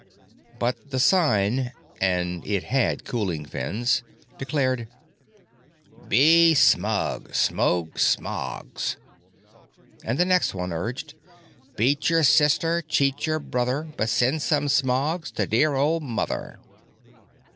But the sign—and it had cooling fins—declared: BE SMUG! SMOKE SMOGS! And the next one urged: BEAT YOUR SISTER CHEAT YOUR BROTHER BUT SEND SOME SMOGS TO DEAR OLD MOTHER.